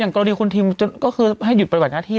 อย่างกรดิของทีมก็คือให้หยุดประหลักน่าที่